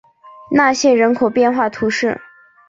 纳谢人口变化图示